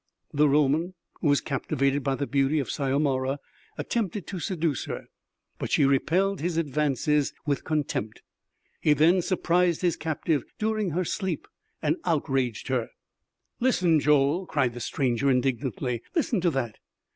The Roman, who was captivated by the beauty of Syomara, attempted to seduce her; but she repelled his advances with contempt. He then surprised his captive during her sleep and outraged her " "Listen, Joel!" cried the stranger indignantly. "Listen to that!...